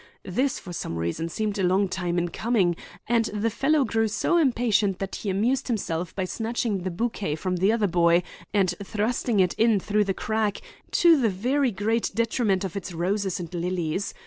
This, for some reason, seemed a long time in coming, and the fellow grew so impatient that he amused himself by snatching the bouquet from the other boy and thrusting it in through the crack, to the very great detriment of its roses and lilies.